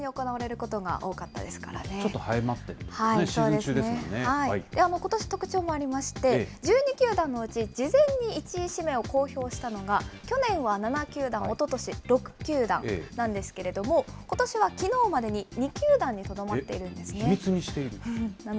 ちょっと早まってるんですね、ことし、特徴もありまして、１２球団のうち、事前に１位指名を公表したのが、去年は７球団、おととし６球団なんですけれども、ことしはきのうまでに２球団にと秘密にしているんですか？